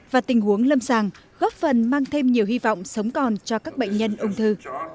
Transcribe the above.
và tình huống lâm sàng góp phần mang thêm nhiều hy vọng sống còn cho các bệnh nhân ung thư